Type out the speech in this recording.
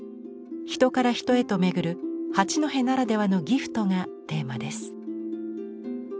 人から人へとめぐる八戸ならではの「ギフト」がテーマです。